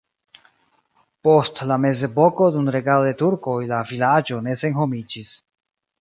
Post la mezepoko dum regado de turkoj la vilaĝo ne senhomiĝis.